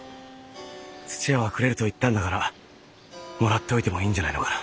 屋はくれると言ったんだからもらっておいてもいいんじゃないのかな。